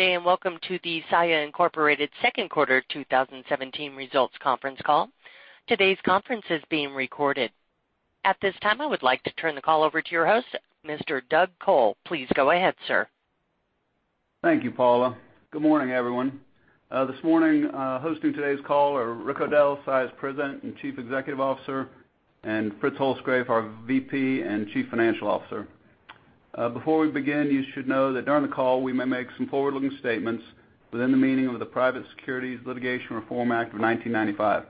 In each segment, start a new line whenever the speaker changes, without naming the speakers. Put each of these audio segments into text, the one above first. Good day, and welcome to the Saia Incorporated Second Quarter 2017 Results Conference Call. Today's conference is being recorded. At this time, I would like to turn the call over to your host, Mr. Doug Col. Please go ahead, sir.
Thank you, Paula. Good morning, everyone. This morning, hosting today's call are Rick O'Dell, Saia's President and Chief Executive Officer, and Fritz Holzgrefe, our VP and Chief Financial Officer. Before we begin, you should know that during the call, we may make some forward-looking statements within the meaning of the Private Securities Litigation Reform Act of 1995.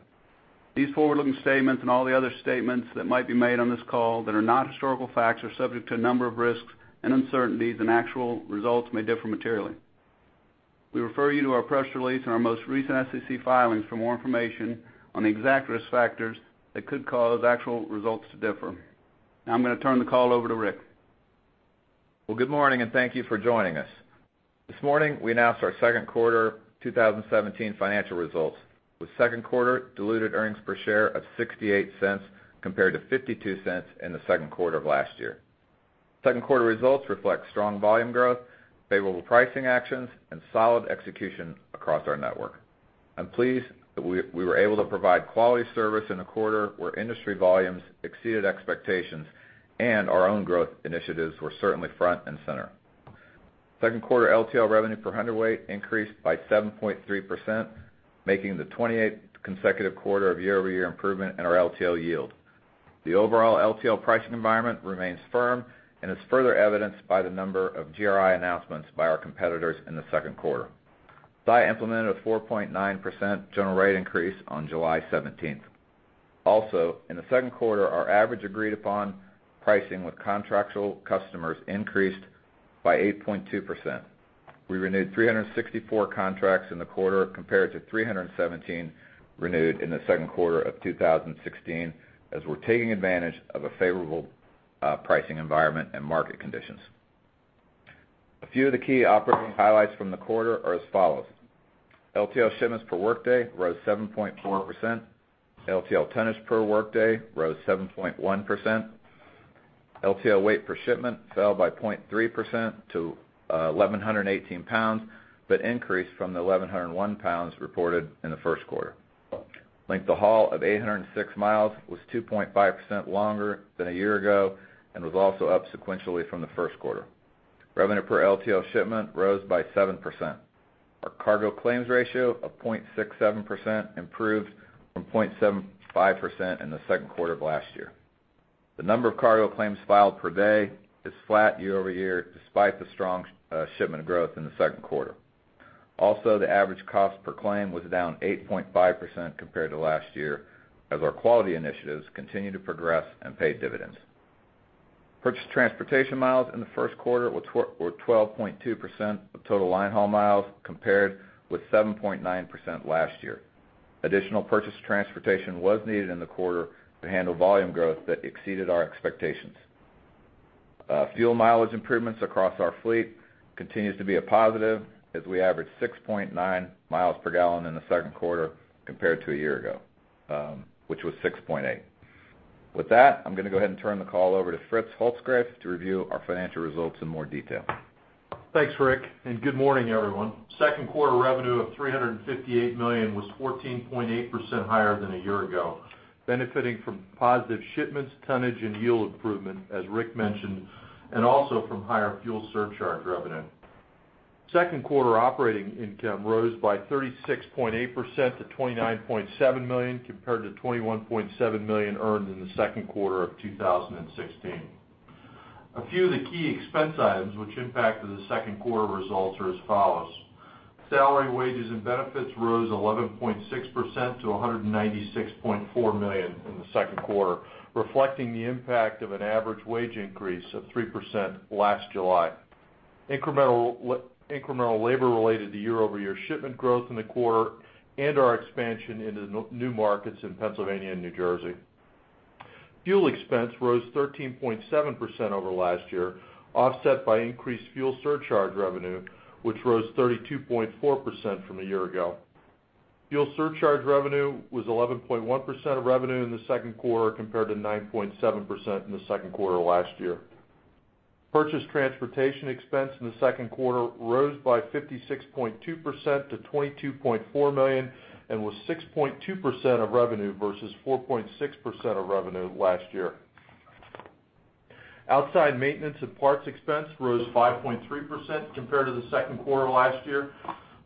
These forward-looking statements and all the other statements that might be made on this call that are not historical facts, are subject to a number of risks and uncertainties, and actual results may differ materially. We refer you to our press release and our most recent SEC filings for more information on the exact risk factors that could cause actual results to differ. Now, I'm gonna turn the call over to Rick.
Well, good morning, and thank you for joining us. This morning, we announced our second quarter 2017 financial results, with second quarter diluted earnings per share of $0.68, compared to $0.52 in the second quarter of last year. Second quarter results reflect strong volume growth, favorable pricing actions, and solid execution across our network. I'm pleased that we were able to provide quality service in a quarter where industry volumes exceeded expectations, and our own growth initiatives were certainly front and center. Second quarter LTL revenue per hundredweight increased by 7.3%, making the 28th consecutive quarter of year-over-year improvement in our LTL yield. The overall LTL pricing environment remains firm and is further evidenced by the number of GRI announcements by our competitors in the second quarter. Saia implemented a 4.9% general rate increase on July 17th. Also, in the second quarter, our average agreed-upon pricing with contractual customers increased by 8.2%. We renewed 364 contracts in the quarter, compared to 317 renewed in the second quarter of 2016, as we're taking advantage of a favorable pricing environment and market conditions. A few of the key operating highlights from the quarter are as follows: LTL shipments per workday rose 7.4%. LTL tonnage per workday rose 7.1%. LTL weight per shipment fell by 0.3% to 1,118 lbs, but increased from the 1,101 lbs reported in the first quarter. Length of haul of 806 mi was 2.5% longer than a year ago and was also up sequentially from the first quarter. Revenue per LTL shipment rose by 7%. Our cargo claims ratio of 0.67% improved from 0.75% in the second quarter of last year. The number of cargo claims filed per day is flat year-over-year, despite the strong shipment growth in the second quarter. Also, the average cost per claim was down 8.5% compared to last year, as our quality initiatives continue to progress and pay dividends. Purchased transportation miles in the first quarter were 12.2% of total line haul miles, compared with 7.9% last year. Additional purchased transportation was needed in the quarter to handle volume growth that exceeded our expectations. Fuel mileage improvements across our fleet continues to be a positive, as we averaged 6.9 miles per gallon in the second quarter compared to a year ago, which was 6.8. With that, I'm gonna go ahead and turn the call over to Fritz Holzgrefe to review our financial results in more detail.
Thanks, Rick, and good morning, everyone. Second quarter revenue of $358 million was 14.8% higher than a year ago, benefiting from positive shipments, tonnage and yield improvement, as Rick mentioned, and also from higher fuel surcharge revenue. Second quarter operating income rose by 36.8% to $29.7 million, compared to $21.7 million earned in the second quarter of 2016. A few of the key expense items which impacted the second quarter results are as follows: Salary, wages, and benefits rose 11.6% to $196.4 million in the second quarter, reflecting the impact of an average wage increase of 3% last July. Incremental labor related to year-over-year shipment growth in the quarter and our expansion into new markets in Pennsylvania and New Jersey. Fuel expense rose 13.7% over last year, offset by increased fuel surcharge revenue, which rose 32.4% from a year ago. Fuel surcharge revenue was 11.1% of revenue in the second quarter, compared to 9.7% in the second quarter last year. Purchased transportation expense in the second quarter rose by 56.2% to $22.4 million, and was 6.2% of revenue versus 4.6% of revenue last year. Outside maintenance and parts expense rose 5.3% compared to the second quarter last year.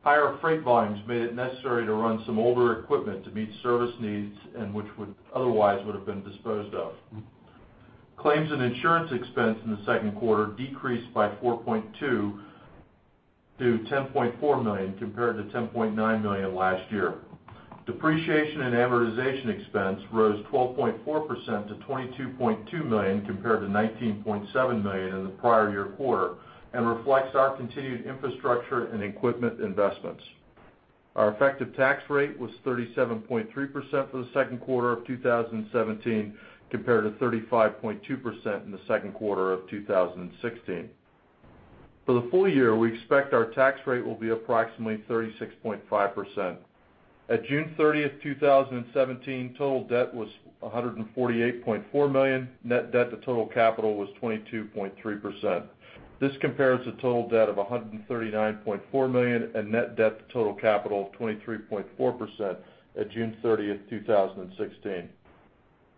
Higher freight volumes made it necessary to run some older equipment to meet service needs, and which would otherwise have been disposed of. Claims and insurance expense in the second quarter decreased by 4.2 to $10.4 million, compared to $10.9 million last year. Depreciation and amortization expense rose 12.4% to $22.2 million, compared to $19.7 million in the prior year quarter, and reflects our continued infrastructure and equipment investments. Our effective tax rate was 37.3% for the second quarter of 2017, compared to 35.2% in the second quarter of 2016. For the full year, we expect our tax rate will be approximately 36.5%....At June 30, 2017, total debt was $148.4 million. Net debt to total capital was 22.3%. This compares to total debt of $139.4 million and net debt to total capital of 23.4% at June 30th, 2016.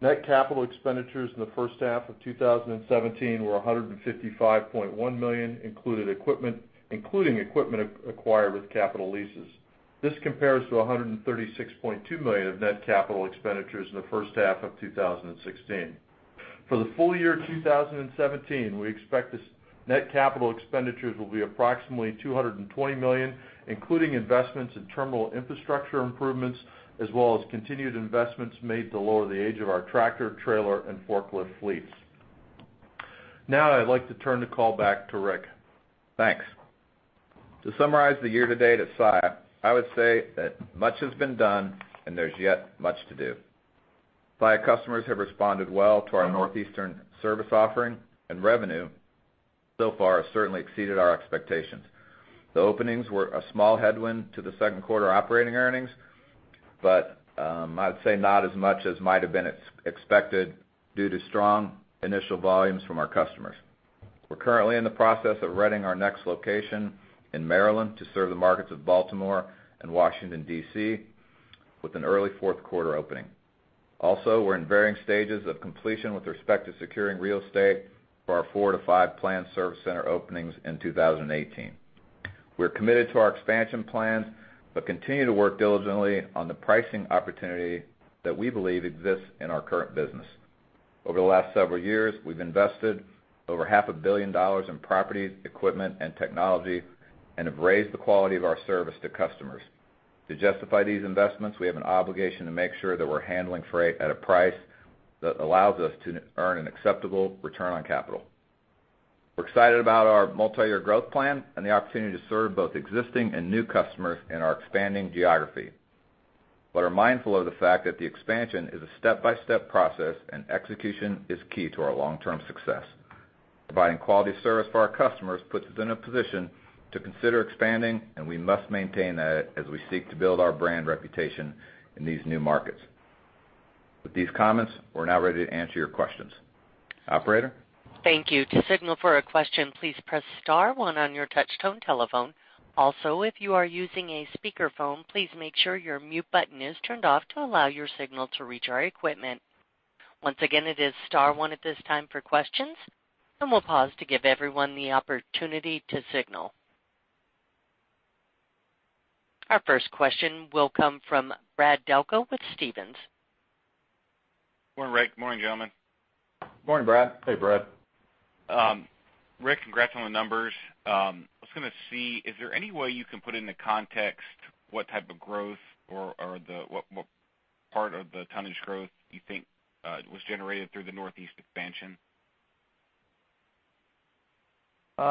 Net capital expenditures in the first half of 2017 were $155.1 million, included equipment, including equipment acquired with capital leases. This compares to $136.2 million of net capital expenditures in the first half of 2016. For the full year 2017, we expect this net capital expenditures will be approximately $220 million, including investments in terminal infrastructure improvements, as well as continued investments made to lower the age of our tractor, trailer, and forklift fleets. Now I'd like to turn the call back to Rick.
Thanks. To summarize the year-to-date at Saia, I would say that much has been done, and there's yet much to do. Saia customers have responded well to our Northeast service offering, and revenue so far has certainly exceeded our expectations. The openings were a small headwind to the second quarter operating earnings, but I'd say not as much as might have been expected due to strong initial volumes from our customers. We're currently in the process of readying our next location in Maryland to serve the markets of Baltimore and Washington, D.C., with an early fourth quarter opening. Also, we're in varying stages of completion with respect to securing real estate for our 4-5 planned service center openings in 2018. We're committed to our expansion plans, but continue to work diligently on the pricing opportunity that we believe exists in our current business. Over the last several years, we've invested over $500 million in properties, equipment, and technology and have raised the quality of our service to customers. To justify these investments, we have an obligation to make sure that we're handling freight at a price that allows us to earn an acceptable return on capital. We're excited about our multiyear growth plan and the opportunity to serve both existing and new customers in our expanding geography, but are mindful of the fact that the expansion is a step-by-step process, and execution is key to our long-term success. Providing quality service for our customers puts us in a position to consider expanding, and we must maintain that as we seek to build our brand reputation in these new markets. With these comments, we're now ready to answer your questions. Operator?
Thank you. To signal for a question, please press star one on your touch tone telephone. Also, if you are using a speakerphone, please make sure your mute button is turned off to allow your signal to reach our equipment. Once again, it is star one at this time for questions, and we'll pause to give everyone the opportunity to signal. Our first question will come from Brad Delco with Stephens.
Good morning, Rick. Good morning, gentlemen.
Morning, Brad.
Hey, Brad.
Rick, congrats on the numbers. I was gonna see, is there any way you can put into context what type of growth or what part of the tonnage growth you think was generated through the Northeast expansion?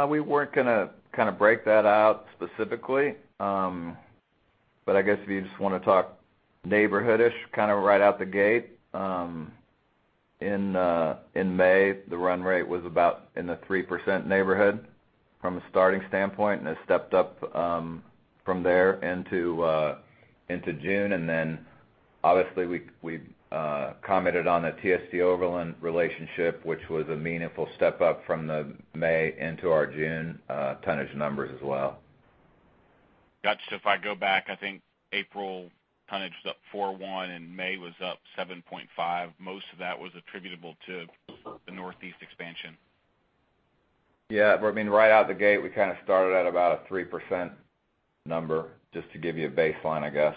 We weren't gonna kind of break that out specifically, but I guess if you just want to talk neighborhood-ish, kind of right out the gate, in May, the run rate was about in the 3% neighborhood from a starting standpoint, and it stepped up from there into June. And then, obviously, we commented on the TST Overland relationship, which was a meaningful step up from May into our June tonnage numbers as well.
Gotcha. So if I go back, I think April tonnage was up 4.1, and May was up 7.5. Most of that was attributable to the Northeast expansion.
Yeah, but I mean, right out the gate, we kind of started at about a 3% number, just to give you a baseline, I guess.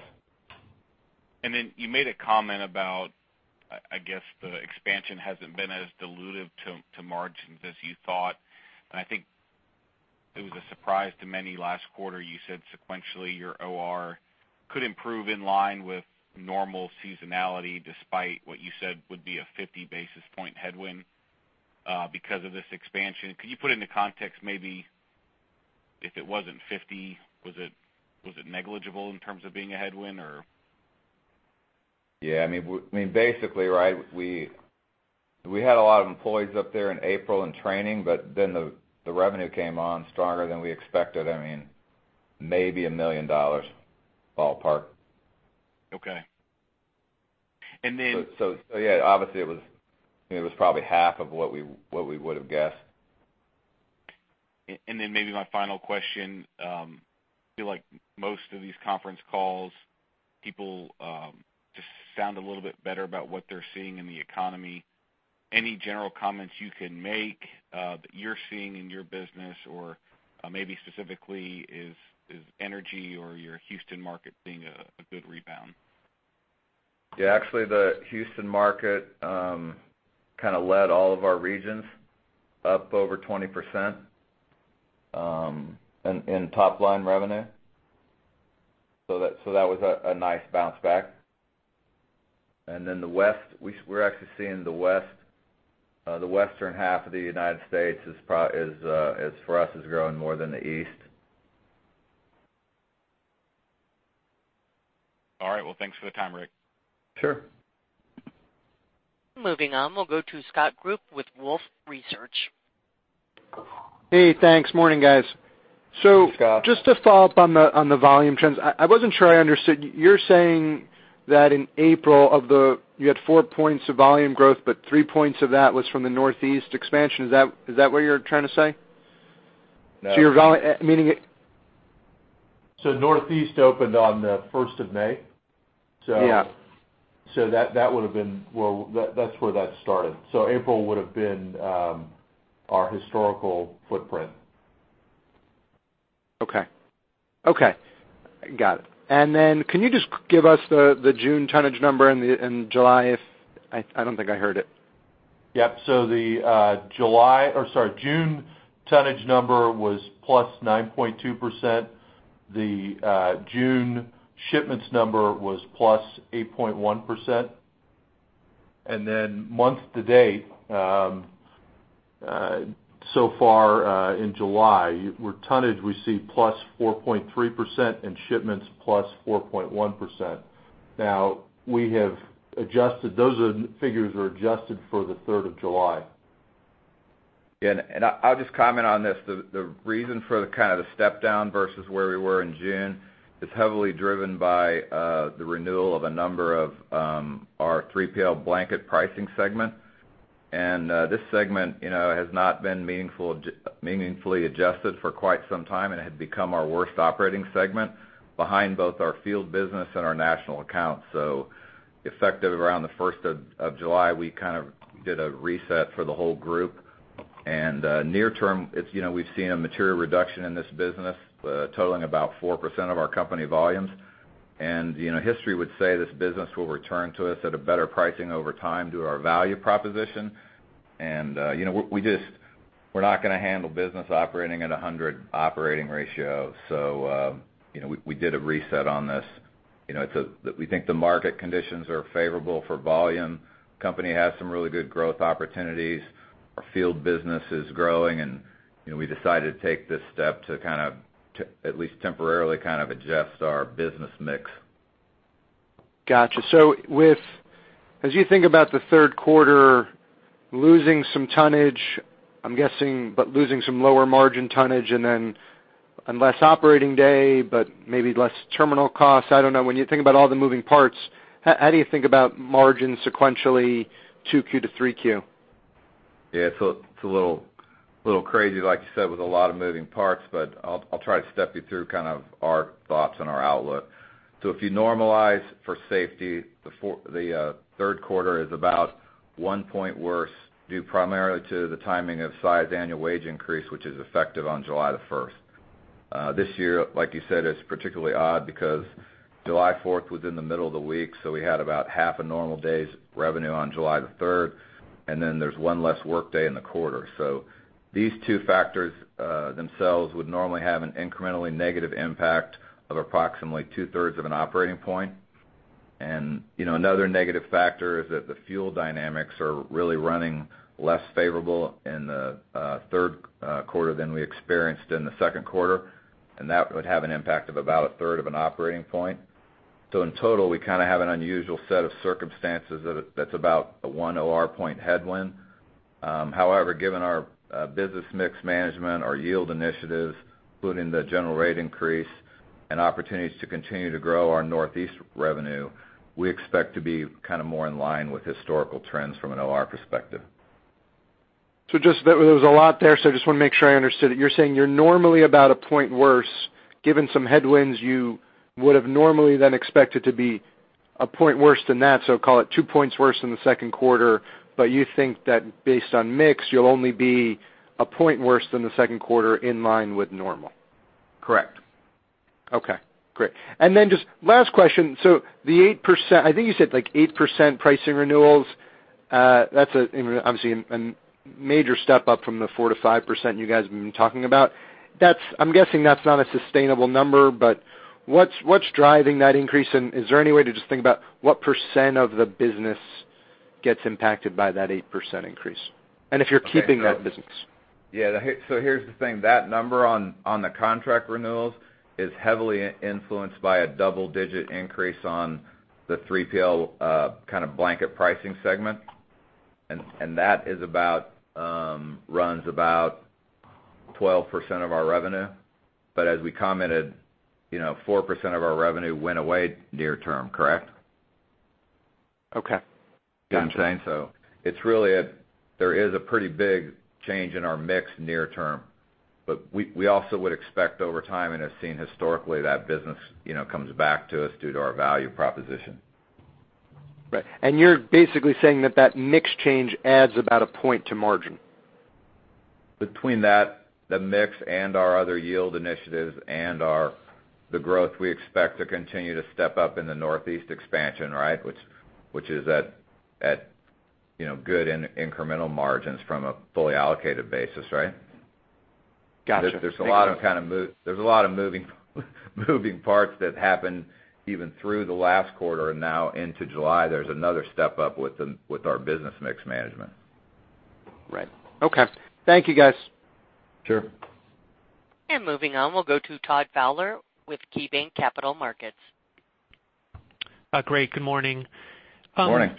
Then you made a comment about, I guess, the expansion hasn't been as dilutive to margins as you thought, and I think it was a surprise to many last quarter. You said sequentially, your OR could improve in line with normal seasonality, despite what you said would be a 50 basis point headwind because of this expansion. Could you put it into context, maybe if it wasn't 50, was it negligible in terms of being a headwind, or?
Yeah, I mean, we had a lot of employees up there in April in training, but then the revenue came on stronger than we expected. I mean, maybe $1 million, ballpark.
Okay. And then.
So, yeah, obviously, it was probably half of what we would have guessed.
Maybe my final question, I feel like most of these conference calls, people just sound a little bit better about what they're seeing in the economy. Any general comments you can make that you're seeing in your business, or maybe specifically, is energy or your Houston market seeing a good rebound?
Yeah, actually, the Houston market kind of led all of our regions up over 20% in top-line revenue. So that was a nice bounce back. And then the West, we're actually seeing the West, the western half of the United States is for us growing more than the East.
All right. Well, thanks for the time, Rick.
Sure.
Moving on, we'll go to Scott Group with Wolfe Research.
Hey, thanks. Morning, guys.
Hey, Scott.
So just to follow up on the volume trends, I wasn't sure I understood. You're saying that in April, you had 4 points of volume growth, but 3 points of that was from the Northeast expansion. Is that what you're trying to say?
No. So Northeast opened on the first of May. Yeah. So, that would have been. Well, that's where that started. So April would have been our historical footprint.
Okay. Okay, got it. And then can you just give us the June tonnage number and the July, if I don't think I heard it. Yep.
So the July, or sorry, June tonnage number was +9.2%. The June shipments number was +8.1%. And then month to date, so far, in July, we're tonnage; we see +4.3% in shipments, +4.1%. Now, we have adjusted those figures; they are adjusted for the third of July.
Yeah, and I'll just comment on this. The reason for the kind of step down versus where we were in June is heavily driven by the renewal of a number of our 3PL blanket pricing segment. And this segment, you know, has not been meaningfully adjusted for quite some time, and it had become our worst operating segment behind both our field business and our national accounts. So effective around the first of July, we kind of did a reset for the whole group. Near term, it's, you know, we've seen a material reduction in this business, totaling about 4% of our company volumes. And, you know, history would say this business will return to us at a better pricing over time due to our value proposition. And, you know, we just, we're not gonna handle business operating at a 100 operating ratio. So, you know, we did a reset on this. You know, it's a... We think the market conditions are favorable for volume. Company has some really good growth opportunities. Our field business is growing, and, you know, we decided to take this step to kind of, to at least temporarily, kind of adjust our business mix.
Gotcha.So with as you think about the third quarter, losing some tonnage, I'm guessing, but losing some lower margin tonnage and then and less operating day, but maybe less terminal costs. I don't know. When you think about all the moving parts, how do you think about margins sequentially, Q2 to Q3?
Yeah. It's a little crazy, like you said, with a lot of moving parts, but I'll try to step you through kind of our thoughts and our outlook. So if you normalize for safety, the OR—the third quarter is about 1 point worse, due primarily to the timing of Saia annual wage increase, which is effective on July the 1st. This year, like you said, is particularly odd because July 4th was in the middle of the week, so we had about half a normal day's revenue on July 3rd, and then there's one less workday in the quarter. So these two factors, themselves, would normally have an incrementally negative impact of approximately two-thirds of an operating point. And, you know, another negative factor is that the fuel dynamics are really running less favorable in the third quarter than we experienced in the second quarter, and that would have an impact of about a third of an operating point. So in total, we kind of have an unusual set of circumstances that's, that's about a one OR point headwind. However, given our business mix management, our yield initiatives, including the general rate increase and opportunities to continue to grow our Northeast revenue, we expect to be kind of more in line with historical trends from an OR perspective.
So just there was a lot there, so I just want to make sure I understood it. You're saying you're normally about a point worse. Given some headwinds, you would have normally then expected to be a point worse than that, so call it two points worse in the second quarter, but you think that based on mix, you'll only be a point worse than the second quarter in line with normal?
Correct.
Okay, great. And then just last question. So the 8%, I think you said, like, 8% pricing renewals, that's a, you know, obviously, a major step up from the 4%-5% you guys have been talking about. That's. I'm guessing that's not a sustainable number, but what's driving that increase? And is there any way to just think about what percent of the business gets impacted by that 8% increase, and if you're keeping that business?
Yeah, so here's the thing. That number on the contract renewals is heavily influenced by a double-digit increase on the 3PL, kind of blanket pricing segment. And that is about, runs about 12% of our revenue. But as we commented, you know, 4% of our revenue went away near term, correct?
Okay. Gotcha.
I'm saying so. It's really a pretty big change in our mix near term, but we also would expect over time, and have seen historically, that business, you know, comes back to us due to our value proposition.
Right. And you're basically saying that that mix change adds about a point to margin?
Between that, the mix and our other yield initiatives and the growth, we expect to continue to step up in the Northeast expansion, right? Which is at, you know, good incremental margins from a fully allocated basis, right?
Gotcha.
There's a lot of moving parts that happened even through the last quarter and now into July. There's another step up with our business mix management. Right.
Okay. Thank you, guys.
Sure.
Moving on, we'll go to Todd Fowler with KeyBanc Capital Markets.
Great. Good morning.
Good morning.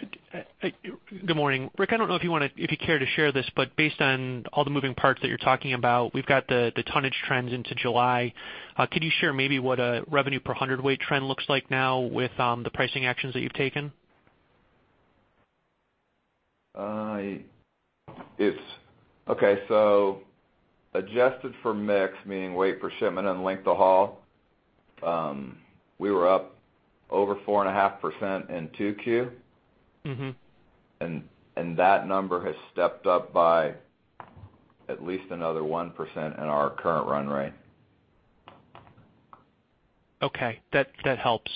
Good morning. Rick, I don't know if you want to if you care to share this, but based on all the moving parts that you're talking about, we've got the tonnage trends into July. Could you share maybe what a revenue per hundredweight trend looks like now with the pricing actions that you've taken?
Okay, so adjusted for mix, meaning weight per shipment and length of haul, we were up over 4.5% in Q2. And that number has stepped up by at least another 1% in our current run rate.
Okay, that, that helps.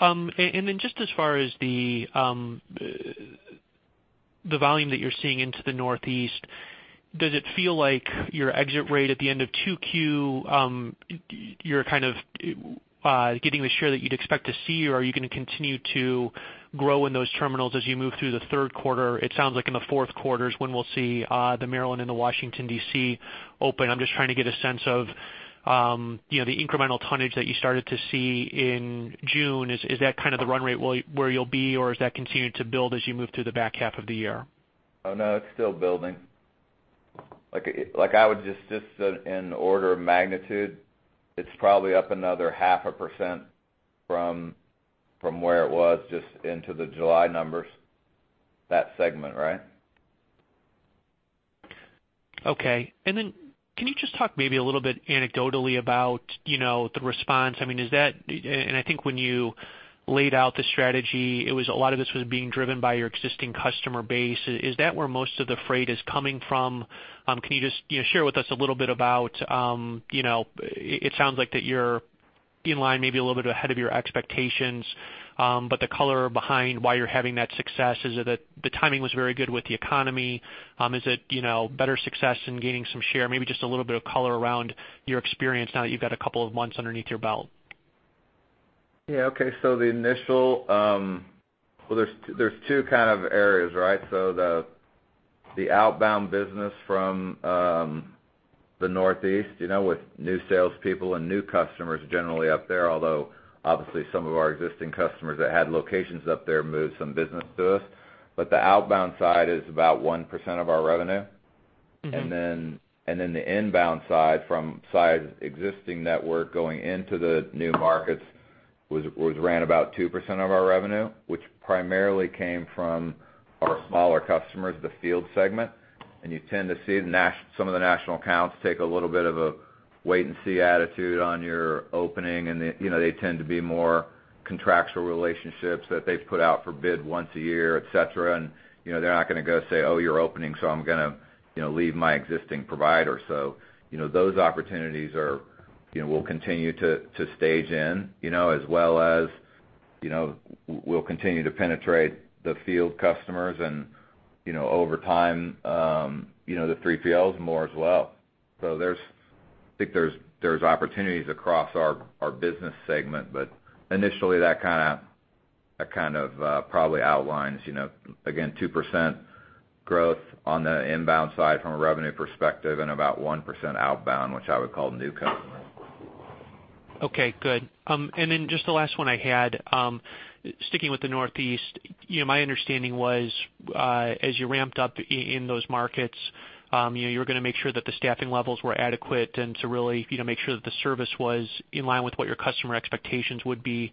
And then jUst as far as the volume that you're seeing into the Northeast, does it feel like your exit rate at the end of Q2, you're kind of getting the share that you'd expect to see? Or are you going to continue to grow in those terminals as you move through the third quarter? It sounds like in the fourth quarter is when we'll see the Maryland and the Washington, D.C., open. I'm just trying to get a sense of, you know, the incremental tonnage that you started to see in June. Is that kind of the run rate where you'll be, or does that continue to build as you move through the back half of the year?
Oh, no, it's still building. Like, I would just, in order of magnitude, it's probably up another 0.5% from where it was just into the July numbers. That segment, right?
Okay. And then can you just talk maybe a little bit anecdotally about, you know, the response? I mean, is that. And I think when you laid out the strategy, it was a lot of this was being driven by your existing customer base. Is that where most of the freight is coming from? Can you just, you know, share with us a little bit about, you know, it sounds like that you're in line, maybe a little bit ahead of your expectations, but the color behind why you're having that success, is it that the timing was very good with the economy? Is it, you know, better success in gaining some share? Maybe just a little bit of color around your experience now that you've got a couple of months underneath your belt.
Yeah. Okay. So well, there's two kind of areas, right? So the outbound business from the Northeast, you know, with new salespeople and new customers generally up there, although obviously some of our existing customers that had locations up there moved some business to us. But the outbound side is about 1% of our revenue. And then the inbound side from Saia's existing network going into the new markets was run about 2% of our revenue, which primarily came from our smaller customers, the field segment. And you tend to see some of the national accounts take a little bit of a wait and see attitude on your opening, and, you know, they tend to be more contractual relationships that they put out for bid once a year, et cetera. And, you know, they're not going to go say, "Oh, you're opening, so I'm going to, you know, leave my existing provider." So, you know, those opportunities are, you know, will continue to stage in, you know, as well as, you know, we'll continue to penetrate the field customers and, you know, over time, you know, the field more as well. So there's, I think there's opportunities across our business segment, but initially, that kind of probably outlines, you know, again, 2% growth on the inbound side from a revenue perspective and about 1% outbound, which I would call new customers.
Okay, good. And then just the last one I had, sticking with the Northeast, you know, my understanding was, as you ramped up in those markets, you know, you were going to make sure that the staffing levels were adequate and to really, you know, make sure that the service was in line with what your customer expectations would be.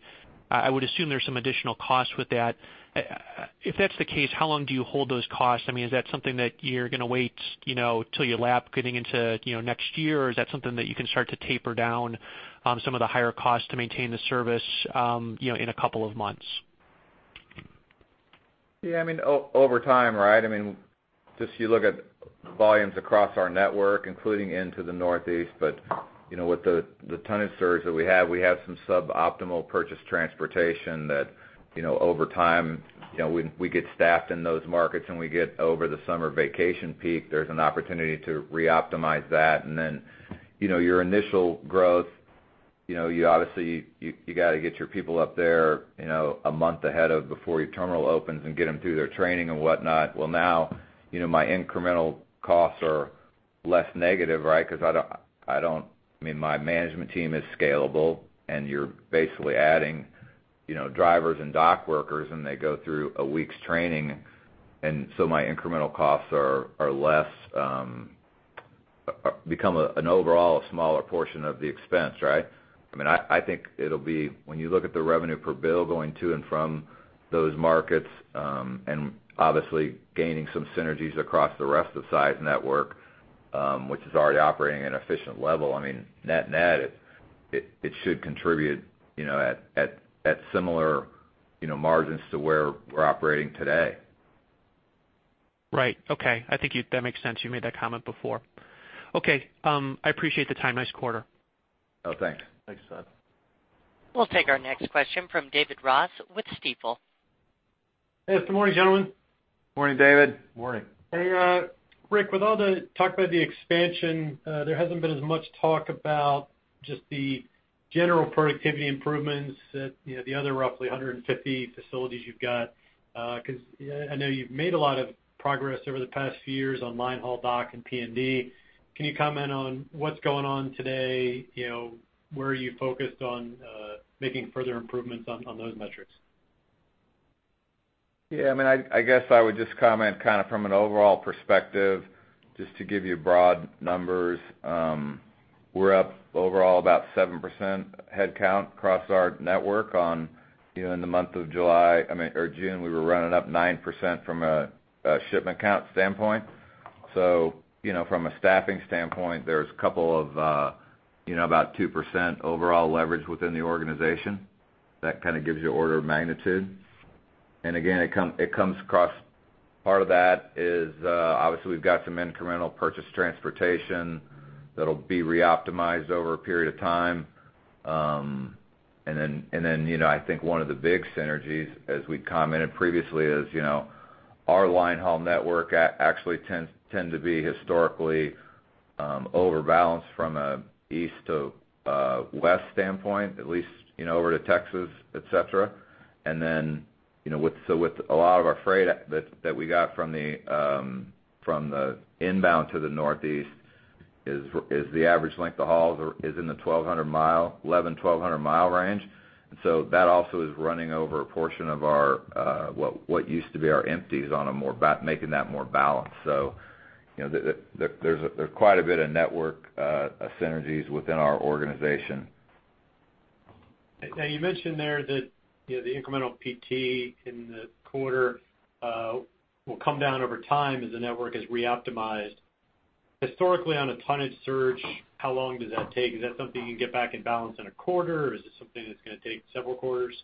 I would assume there's some additional costs with that. If that's the case, how long do you hold those costs? I mean, is that something that you're going to wait, you know, till you lap getting into, you know, next year? Or is that something that you can start to taper down, some of the higher costs to maintain the service, you know, in a couple of months?
Yeah, I mean, over time, right? I mean, just you look at volumes across our network, including into the Northeast, but, you know, with the tonnage surge that we have, we have some suboptimal purchased transportation that, you know, over time, you know, we get staffed in those markets, and we get over the summer vacation peak. There's an opportunity to reoptimize that. And then, you know, your initial growth, you know, you obviously got to get your people up there, you know, a month ahead of before your terminal opens and get them through their training and whatnot. Well, now, you know, my incremental costs are less negative, right? Because I don't, I don't... I mean, my management team is scalable, and you're basically adding, you know, drivers and dock workers, and they go through a week's training, and so my incremental costs are less, become an overall smaller portion of the expense, right? I mean, I think it'll be when you look at the revenue per bill going to and from those markets, and obviously gaining some synergies across the rest of the site network, which is already operating at an efficient level, I mean, net-net, it should contribute, you know, at similar, you know, margins to where we're operating today.
Right. Okay. I think that makes sense. You made that comment before. Okay, I appreciate the time. Nice quarter.
Oh, thanks.
Thanks, Todd.
We'll take our next question from David Ross with Stifel.
Hey, good morning, gentlemen.
Morning, David. Morning.
Hey, Rick, with all the talk about the expansion, there hasn't been as much talk about just general productivity improvements at, you know, the other roughly 150 facilities you've got, because I know you've made a lot of progress over the past few years on line haul, dock, and P&D. Can you comment on what's going on today? You know, where are you focused on making further improvements on those metrics?
Yeah, I mean, I guess I would just comment kind of from an overall perspective, just to give you broad numbers. We're up overall about 7% headcount across our network on, you know, in the month of July, I mean, or June, we were running up 9% from a shipment count standpoint. So, you know, from a staffing standpoint, there's a couple of, you know, about 2% overall leverage within the organization. That kind of gives you order of magnitude. And again, it comes across. Part of that is, obviously, we've got some incremental purchased transportation that'll be reoptimized over a period of time. And then, and then, you know, I think one of the big synergies, as we commented previously, is, you know, our line haul network actually tends to be historically overbalanced from a East to West standpoint, at least, you know, over to Texas, etc. And then, you know, with, so with a lot of our freight that we got from the inbound to the Northeast is the average length of hauls is in the 1,200-mile, 1,100-1,200-mile range. And so that also is running over a portion of our what used to be our empties on a more balanced. So, you know, there's quite a bit of network synergies within our organization.
Now, you mentioned there that, you know, the incremental PT in the quarter will come down over time as the network is reoptimized. Historically, on a tonnage search, how long does that take? Is that something you can get back in balance in a quarter, or is this something that's going to take several quarters?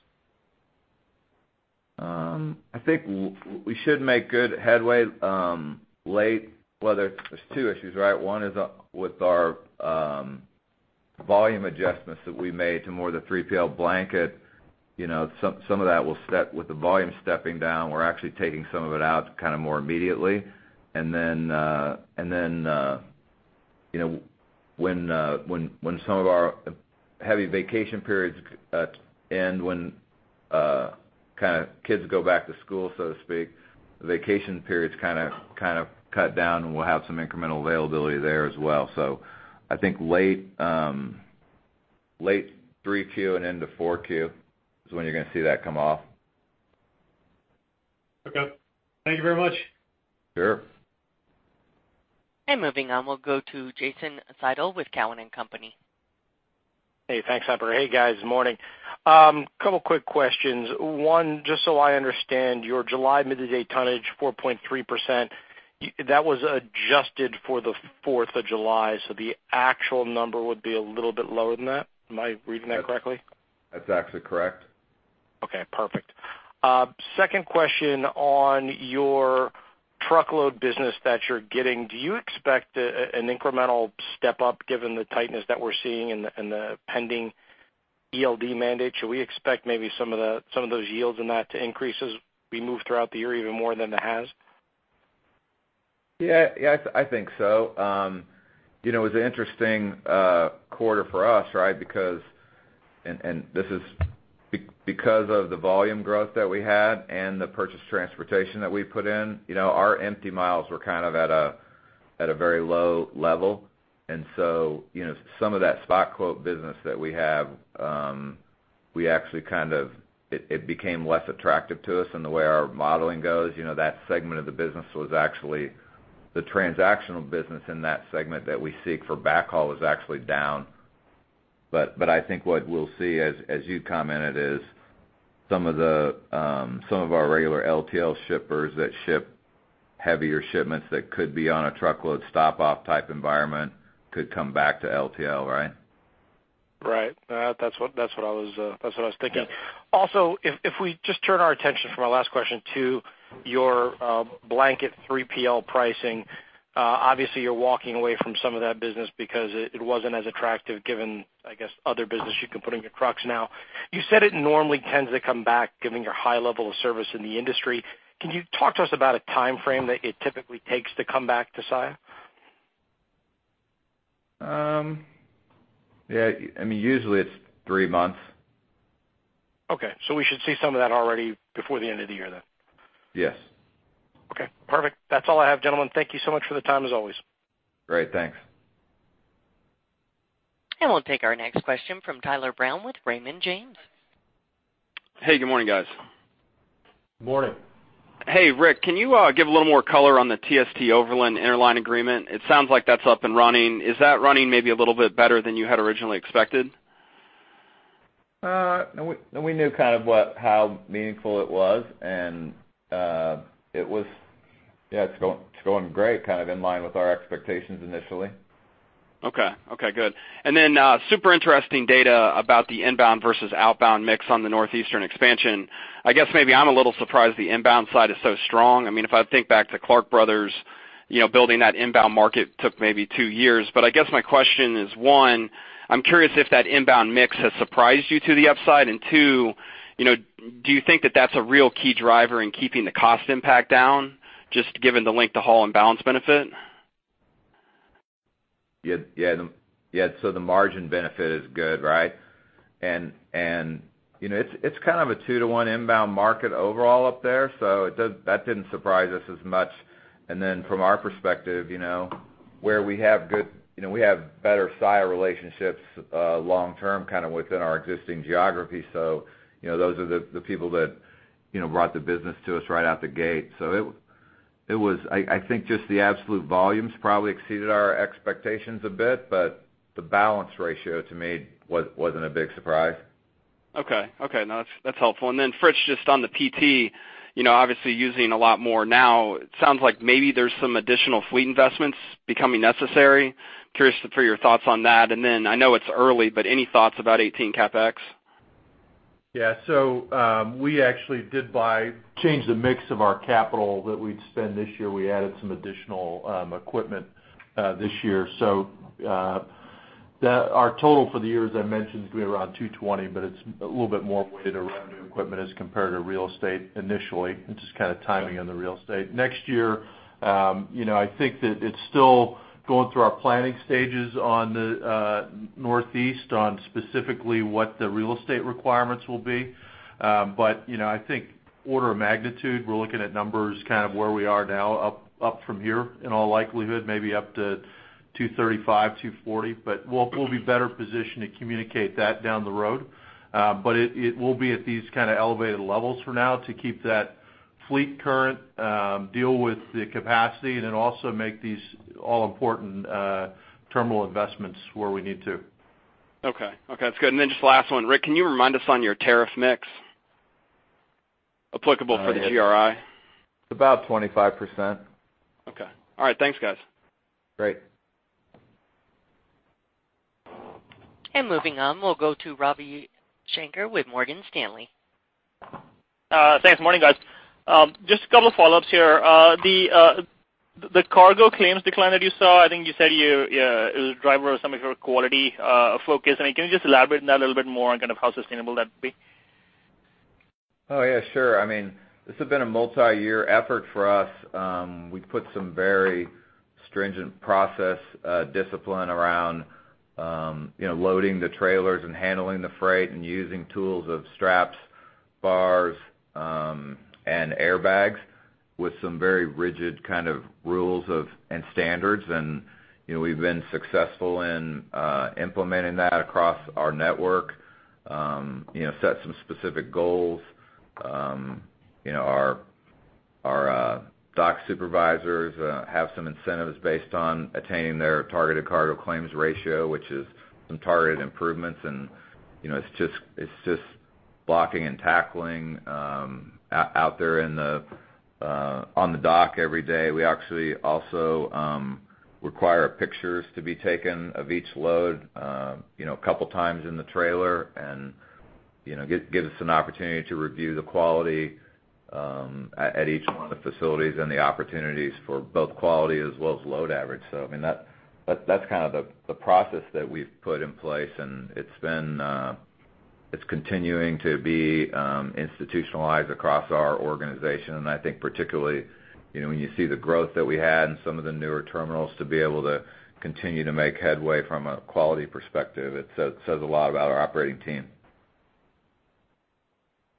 I think we should make good headway late. Well, there's two issues, right? One is, with our, volume adjustments that we made to more of the 3PL blanket. You know, some of that will set with the volume stepping down, we're actually taking some of it out kind of more immediately. And then, and then, you know, when, when some of our heavy vacation periods end, when kind of kids go back to school, so to speak, vacation periods kind of cut down, and we'll have some incremental availability there as well. So I think late Q3 and into Q4 is when you're going to see that come off.
Okay. Thank you very much.
Sure.
And moving on, we'll go to Jason Seidl with Cowen and Company.
Hey, thanks. Hey, guys, morning. Couple quick questions. One, just so I understand, your July mid-day tonnage, 4.3%, that was adjusted for the 4th of July, so the actual number would be a little bit lower than that? Am I reading that correctly?
That's actually correct.
Okay, perfect. Second question, on your truckload business that you're getting, do you expect an incremental step up given the tightness that we're seeing and the pending ELD mandate? Should we expect maybe some of those yields in that to increase as we move throughout the year, even more than it has?
Yeah. Yeah, I think so. You know, it was an interesting quarter for us, right? Because of the volume growth that we had and the purchase transportation that we put in, you know, our empty miles were kind of at a very low level. And so, you know, some of that spot quote business that we have, we actually kind of became less attractive to us in the way our modeling goes. You know, that segment of the business was actually the transactional business in that segment that we seek for backhaul was actually down. But I think what we'll see, as you commented, is some of our regular LTL shippers that ship heavier shipments that could be on a truckload stop-off type environment could come back to LTL, right?
Right. That's what I was thinking. Also, if we just turn our attention for my last question to your blanket 3PL pricing, obviously, you're walking away from some of that business because it wasn't as attractive, given, I guess, other business you can put in your trucks now. You said it normally tends to come back, given your high level of service in the industry. Can you talk to us about a timeframe that it typically takes to come back to Saia?
Yeah, I mean, usually it's three months.
Okay, so we should see some of that already before the end of the year, then?
Yes.
Okay, perfect. That's all I have, gentlemen. Thank you so much for the time, as always.
Great. Thanks.
And we'll take our next question from Tyler Brown with Raymond James.
Hey, good morning, guys.
Morning.
Hey, Rick, can you give a little more color on the TST Overland interline agreement? It sounds like that's up and running. Is that running maybe a little bit better than you had originally expected?
No, we knew kind of what how meaningful it was, and it was, yeah, it's going. It's going great, kind of in line with our expectations initially.
Okay. Okay, good. And then, super interesting data about the inbound versus outbound mix on the Northeast expansion. I guess maybe I'm a little surprised the inbound side is so strong. I mean, if I think back to Clark Bros., you know, building that inbound market took maybe two years. But I guess my question is, one, I'm curious if that inbound mix has surprised you to the upside. And two, you know, do you think that that's a real key driver in keeping the cost impact down, just given the line haul and balance benefit?
Yeah, yeah, yeah, so the margin benefit is good, right? And, and, you know, it's, it's kind of a 2-to-1 inbound market overall up there, so that didn't surprise us as much. And then from our perspective, you know, where we have good, you know, we have better customer relationships, long term, kind of within our existing geography. So, you know, those are the, the people that, you know, brought the business to us right out the gate. So it, it was, I, I think just the absolute volumes probably exceeded our expectations a bit, but the balance ratio to me wasn't a big surprise.
Okay. Okay, no, that's, that's helpful. And then, Fritz, just on the PT, you know, obviously using a lot more now, it sounds like maybe there's some additional fleet investments becoming necessary. Curious to hear your thoughts on that. And then I know it's early, but any thoughts about 2018 CapEx?
Yeah. So, we actually did buy, change the mix of our capital that we'd spend this year. We added some additional equipment this year. So, our total for the year, as I mentioned, is gonna be around $220 million, but it's a little bit more weighted around new equipment as compared to real estate initially. It's just kind of timing on the real estate. Next year, you know, I think that it's still going through our planning stages on the Northeast, on specifically what the real estate requirements will be. But, you know, I think order of magnitude, we're looking at numbers kind of where we are now, up, up from here, in all likelihood, maybe up to $235 million-$240 million. But we'll be better positioned to communicate that down the road. But it, it will be at these kind of elevated levels for now to keep that fleet current, deal with the capacity, and then also make these all-important, terminal investments where we need to.
Okay. Okay, that's good. And then just last one. Rick, can you remind us on your tariff mix applicable for the GRI?
About 25%.
Okay. All right. Thanks, guys.
Great.
Moving on, we'll go to Ravi Shanker with Morgan Stanley.
Thanks. Morning, guys. Just a couple follow-ups here. The cargo claims decline that you saw, I think you said it was driver of some of your quality focus. I mean, can you just elaborate on that a little bit more on kind of how sustainable that would be?
Oh, yeah, sure. I mean, this has been a multi-year effort for us. We put some very stringent process discipline around, you know, loading the trailers and handling the freight and using tools of straps, bars, and airbags, with some very rigid kind of rules and standards. You know, we've been successful in implementing that across our network. You know, set some specific goals. You know, our dock supervisors have some incentives based on attaining their targeted cargo claims ratio, which is some targeted improvements. And, you know, it's just blocking and tackling out there on the dock every day. We actually also require pictures to be taken of each load, you know, a couple times in the trailer, and, you know, give, give us an opportunity to review the quality, at, at each one of the facilities and the opportunities for both quality as well as load average. So I mean, that, that's kind of the, the process that we've put in place, and it's been. It's continuing to be institutionalized across our organization. And I think particularly, you know, when you see the growth that we had in some of the newer terminals, to be able to continue to make headway from a quality perspective, it says, says a lot about our operating team.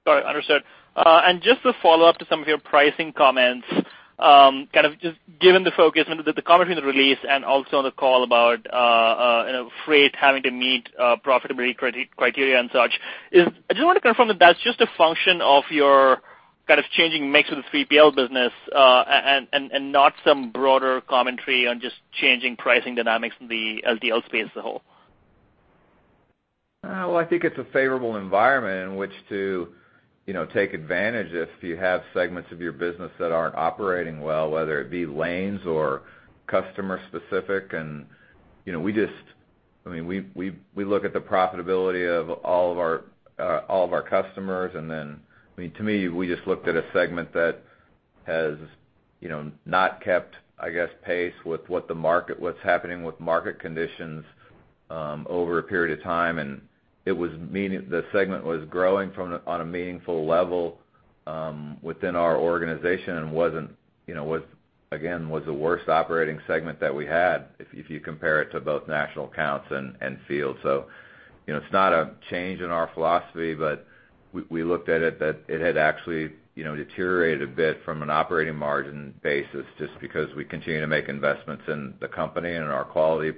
Got it. Understood. And just a follow-up to some of your pricing comments. Kind of just given the focus and the commentary in the release and also on the call about, you know, freight having to meet profitability criteria and such, I just want to confirm if that's just a function of your kind of changing mix of the 3PL business, and not some broader commentary on just changing pricing dynamics in the LTL space as a whole?
Well, I think it's a favorable environment in which to, you know, take advantage if you have segments of your business that aren't operating well, whether it be lanes or customer specific. And, you know, we just I mean, we look at the profitability of all of our all of our customers, and then I mean, to me, we just looked at a segment that has, you know, not kept, I guess, pace with what the market, what's happening with market conditions, over a period of time. And it was meaning the segment was growing from an on a meaningful level, within our organization and wasn't, you know, was again, was the worst operating segment that we had, if you compare it to both national accounts and field. So, you know, it's not a change in our philosophy, but we looked at it, that it had actually, you know, deteriorated a bit from an operating margin basis, just because we continue to make investments in the company and in our quality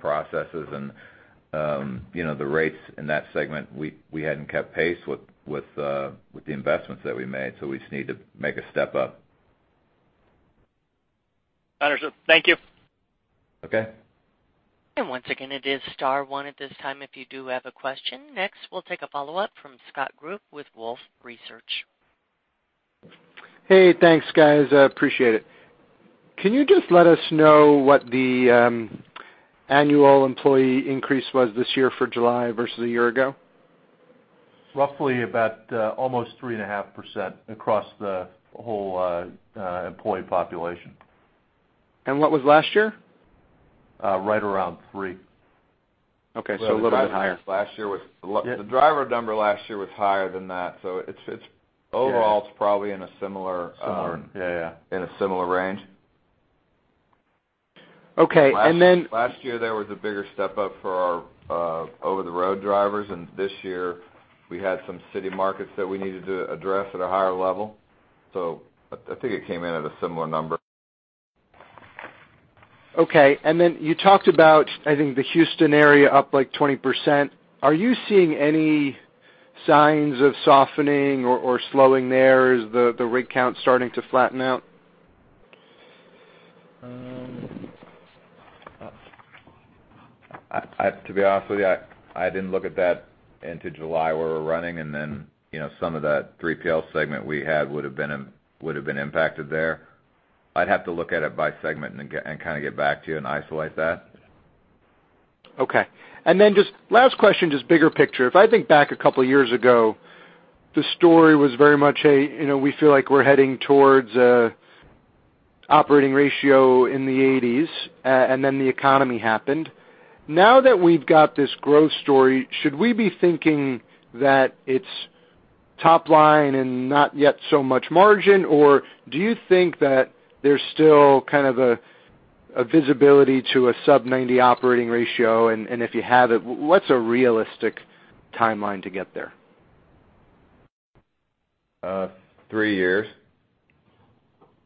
processes. And, you know, the rates in that segment, we hadn't kept pace with the investments that we made, so we just need to make a step up.
Understood. Thank you.
Okay.
Once again, it is star one at this time if you do have a question. Next, we'll take a follow-up from Scott Group with Wolfe Research.
Hey, thanks, guys. I appreciate it. Can you just let us know what the annual employee increase was this year for July versus a year ago?
Roughly about almost 3.5% across the whole employee population.
And what was last year?
Right around 3
Okay, so a little bit higher.
The driver number last year was higher than that, so it's, it's overall, it's probably in a similar
Similar, yeah, yeah.
In a similar range.
Okay, and then-
Last year, there was a bigger step up for our over-the-road drivers, and this year, we had some city markets that we needed to address at a higher level. So I think it came in at a similar number.
Okay. And then you talked about, I think, the Houston area up, like, 20%. Are you seeing any signs of softening or, or slowing there? Is the, the rig count starting to flatten out?
To be honest with you, I didn't look at that into July, where we're running, and then, you know, some of that 3PL segment we had would have been impacted there. I'd have to look at it by segment and kind of get back to you and isolate that.
Okay. And then just last question, just bigger picture. If I think back a couple of years ago, the story was very much a, you know, we feel like we're heading towards an operating ratio in the 80s, and then the economy happened. Now that we've got this growth story, should we be thinking that it's top line and not yet so much margin? Or do you think that there's still kind of a visibility to a sub-90 operating ratio? And, and if you have it, what's a realistic timeline to get there?
Three years.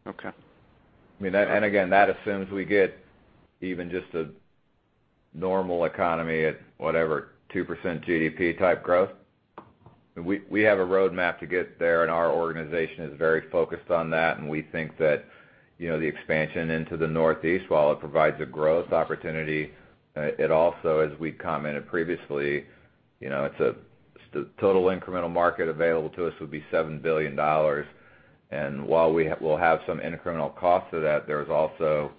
Okay.
I mean, and, and again, that assumes we get even just a normal economy at whatever, 2% GDP type growth. We, we have a roadmap to get there, and our organization is very focused on that, and we think that, you know, the expansion into the Northeast, while it provides a growth opportunity, it also, as we commented previously, you know, it's a-- the total incremental market available to us would be $7 billion. And while we have... We'll have some incremental cost to that, there's also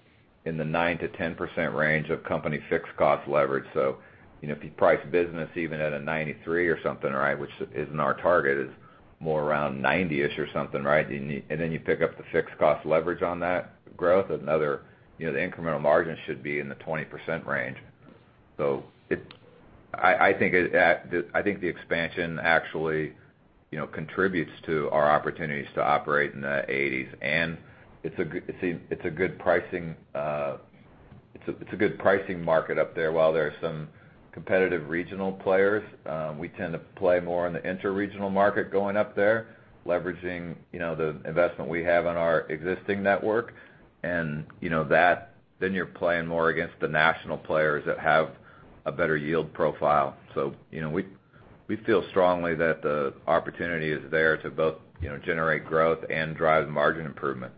in the 9%-10% range of company fixed cost leverage. So you know, if you price business even at a 93 or something, right, which isn't our target, is more around 90-ish or something, right? And then you pick up the fixed cost leverage on that growth. Another, you know, the incremental margin should be in the 20% range. So it... I think the expansion actually, you know, contributes to our opportunities to operate in the 80s. And it's a good pricing market up there. While there are some competitive regional players, we tend to play more in the interregional market going up there, leveraging, you know, the investment we have on our existing network. And, you know, then you're playing more against the national players that have a better yield profile. So, you know, we feel strongly that the opportunity is there to both, you know, generate growth and drive margin improvement.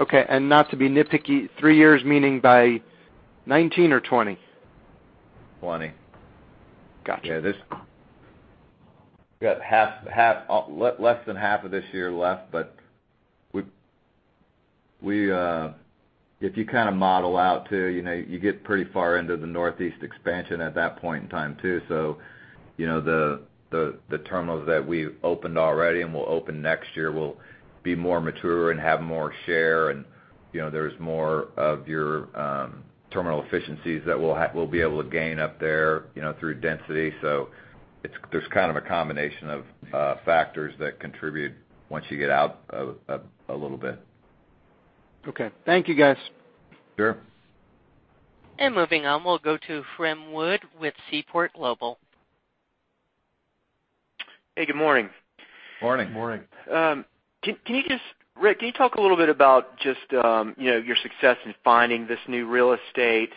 Okay, and not to be nitpicky, three years, meaning by 2019 or 2020?
'20.
Gotcha.
Yeah, there's. We got less than half of this year left, but if you kind of model out too, you know, you get pretty far into the Northeast expansion at that point in time, too. So, you know, the terminals that we've opened already and will open next year will be more mature and have more share. And, you know, there's more of your terminal efficiencies that we'll be able to gain up there, you know, through density. So it's a combination of factors that contribute once you get out a little bit.
Okay. Thank you, guys.
Sure.
Moving on, we'll go to Rhem Wood with Seaport Global.
Hey, good morning.
Morning.
Morning.
Can you just... Rick, can you talk a little bit about just, you know, your success in finding this new real estate,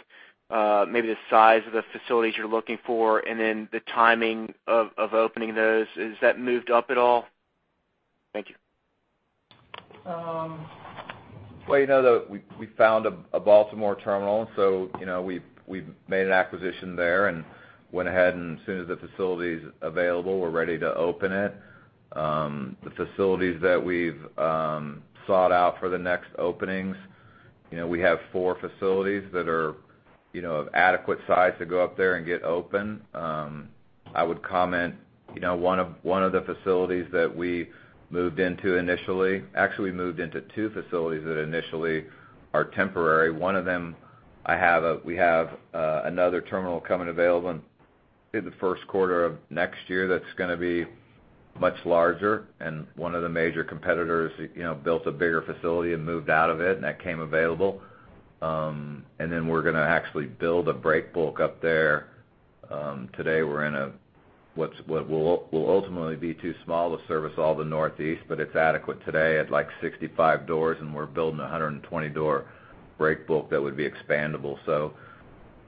maybe the size of the facilities you're looking for, and then the timing of opening those? Has that moved up at all? Thank you.
Well, you know, we found a Baltimore Terminal, so, you know, we've made an acquisition there and went ahead, and as soon as the facility's available, we're ready to open it. The facilities that we've sought out for the next openings, you know, we have four facilities that are, you know, of adequate size to go up there and get open. I would comment, you know, one of the facilities that we moved into initially, actually, we moved into two facilities that initially are temporary. One of them, we have another terminal coming available in the first quarter of next year that's gonna be much larger, and one of the major competitors, you know, built a bigger facility and moved out of it, and that came available. And then we're gonna actually build a breakbulk up there. Today we're in a what will ultimately be too small to service all the Northeast, but it's adequate today at, like, 65 doors, and we're building a 120-door breakbulk that would be expandable. So,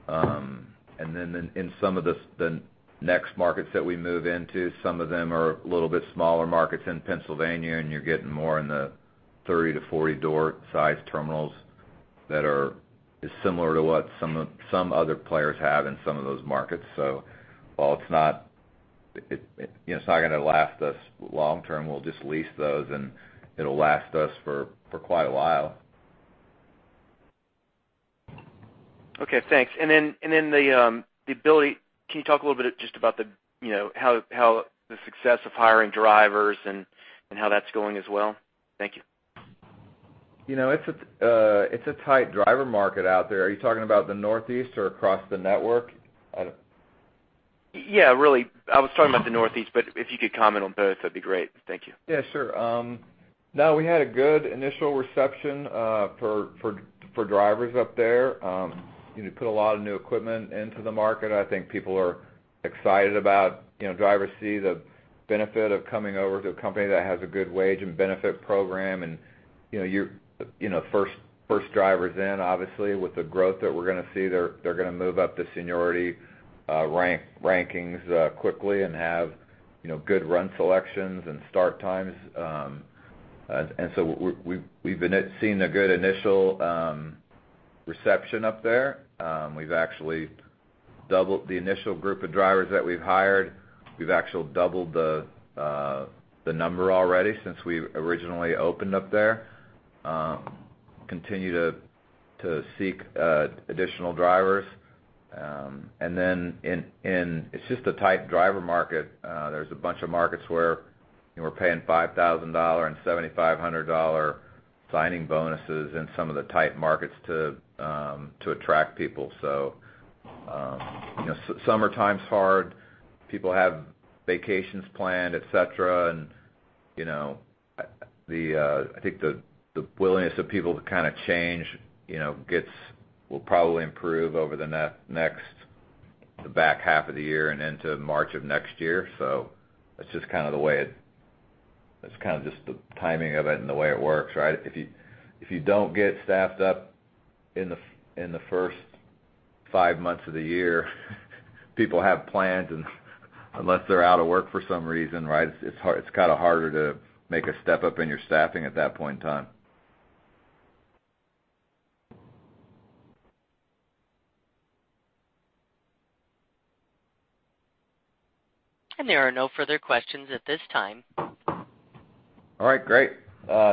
and then in some of the next markets that we move into, some of them are a little bit smaller markets in Pennsylvania, and you're getting more in the 30-40 door size terminals that are similar to what some other players have in some of those markets. So while it's not, you know, it's not gonna last us long term, we'll just lease those, and it'll last us for quite a while.
Okay, thanks. And then the ability - can you talk a little bit just about the, you know, how the success of hiring drivers and how that's going as well? Thank you.
You know, it's a, it's a tight driver market out there. Are you talking about the Northeast or across the network? I don't-
Yeah, really, I was talking about the Northeast, but if you could comment on both, that'd be great. Thank you.
Yeah, sure. No, we had a good initial reception for drivers up there. You know, put a lot of new equipment into the market. I think people are excited about, you know, drivers see the benefit of coming over to a company that has a good wage and benefit program. And, you know, you're, you know, first drivers in, obviously, with the growth that we're gonna see, they're gonna move up the seniority rankings quickly and have, you know, good run selections and start times. And so we're, we've been seeing a good initial reception up there. We've actually doubled the initial group of drivers that we've hired. We've actually doubled the number already since we originally opened up there. Continue to seek additional drivers. And then in, it's just a tight driver market. There's a bunch of markets where, you know, we're paying $5,000 and $7,500 signing bonuses in some of the tight markets to attract people. So, you know, summertime's hard. People have vacations planned, et cetera. And, you know, I think the willingness of people to kind of change, you know, will probably improve over the next, the back half of the year and into March of next year. So that's just kind of the way it. That's kind of just the timing of it and the way it works, right? If you don't get staffed up in the first five months of the year, people have plans, and unless they're out of work for some reason, right? It's kind of harder to make a step up in your staffing at that point in time.
There are no further questions at this time.
All right, great.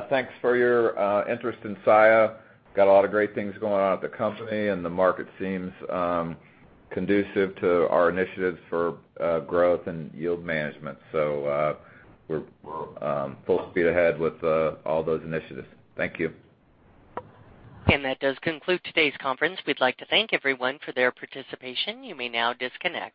Thanks for your interest in Saia. Got a lot of great things going on at the company, and the market seems conducive to our initiatives for growth and yield management. So, we're full speed ahead with all those initiatives. Thank you.
That does conclude today's conference. We'd like to thank everyone for their participation. You may now disconnect.